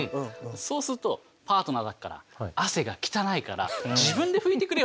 そうするとパートナーから「汗が汚いから自分で拭いてくれよ」って言われるんですよ。